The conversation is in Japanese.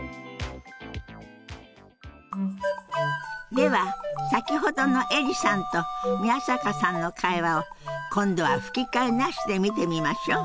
では先ほどのエリさんと宮坂さんの会話を今度は吹き替えなしで見てみましょう。